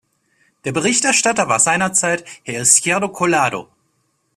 Der Berichterstatter war seinerzeit Herr Izquierdo Collado.